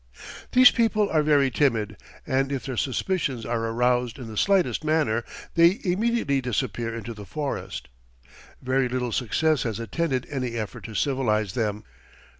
These people are very timid, and if their suspicions are aroused in the slightest manner, they immediately disappear into the forest. Very little success has attended any effort to civilize them.